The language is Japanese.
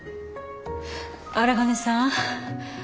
荒金さん。